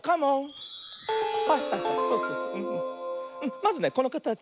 まずねこのかたち